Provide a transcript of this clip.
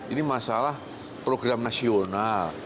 ini masalah program nasional